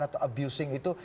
atau abusing itu